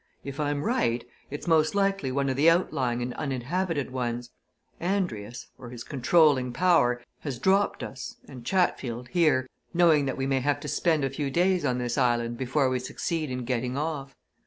If I'm right, it's most likely one of the outlying and uninhabited ones. Andrius or his controlling power has dropped us and Chatfield here, knowing that we may have to spend a few days on this island before we succeed in getting off.